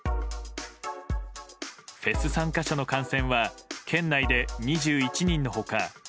フェス参加者の感染は県内で２１人の他